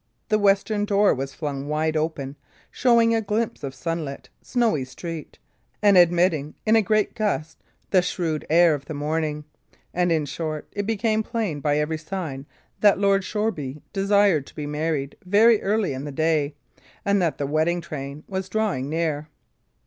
The western door was flung wide open, showing a glimpse of sunlit, snowy street, and admitting in a great gust the shrewd air of the morning; and in short, it became plain by every sign that Lord Shoreby desired to be married very early in the day, and that the wedding train was drawing near.